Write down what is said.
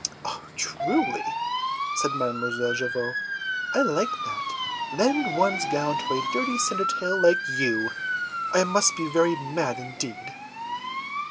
"Truly," said Mademoiselle Javotte, "I like that! Lend one's gown to a dirty Cindertail like you! I must be very mad indeed!"